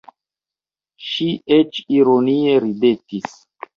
Ŝi eĉ ironie ridetis.